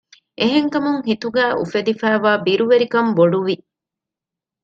އެހެންކަމުން ހިތުގައި އުފެދިފައިވާ ބިރުވެރިކަން ބޮޑުވި